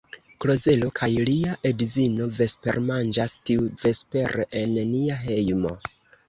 Klozelo kaj lia edzino vespermanĝas tiuvespere en nia hejmo.